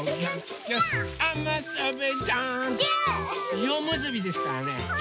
しおむすびですからね。